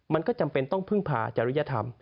มันก็จำเป็นต้องพึ่งพาจริยธรรม